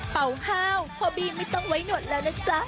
เป่าห้าวพ่อบี้ไม่ต้องไว้หนวดแล้วนะจ๊ะ